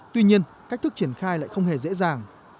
tuy nhiên cách thức triển khai lại không hề dễ dàng